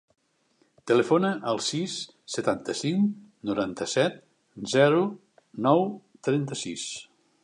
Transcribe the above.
Telefona al sis, setanta-cinc, noranta-set, zero, nou, trenta-sis.